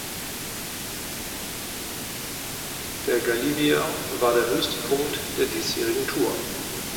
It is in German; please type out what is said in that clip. Der Galibier war der höchste Punkt der diesjährigen Tour.